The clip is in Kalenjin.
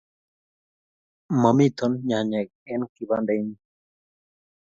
Mamito nyanyek eng' kibandait nyin